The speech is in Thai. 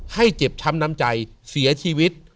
ให้เจ็บช้ำน้ำใจเสียชีวิต